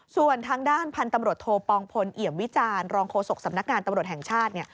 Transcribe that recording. ส่วนทางด้านพันธุ์ตำรวจโทปองพลเอี่ยมวิจารณรองโฆษกสำนักงานตำรวจแห่งชาติเนี่ย